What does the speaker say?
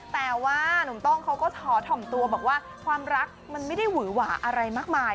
แต่ว่าหนุ่มต้องเขาก็ถอถ่อมตัวบอกว่าความรักมันไม่ได้หวือหวาอะไรมากมาย